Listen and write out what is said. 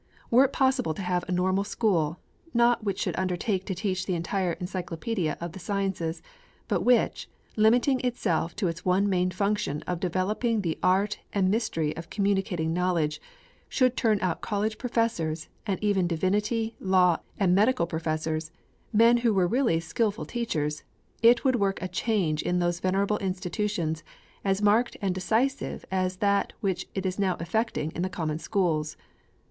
Were it possible to have a Normal School, not which should undertake to teach the entire encyclopædia of the sciences, but which, limiting itself to its one main function of developing the art and mystery of communicating knowledge, should turn out College Professors, and even Divinity, Law, and Medical Professors, men who were really skilful teachers, it would work a change in those venerable institutions as marked and decisive as that which it is now effecting in the common schools.